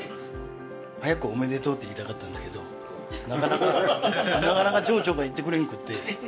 早くおめでとうって言いたかったんですけどなかなかなかなか場長が言ってくれんくて。